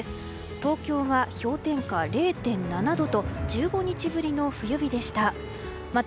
東京は氷点下０．７度と１５日ぶりの冬日でした。